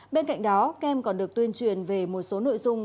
bên cạnh đó các em còn được tuyên truyền về một số nội dung